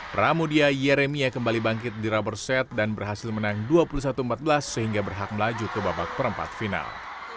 pramudia yeremia kembali bangkit di rubber set dan berhasil menang dua puluh satu empat belas sehingga berhak melaju ke babak perempat final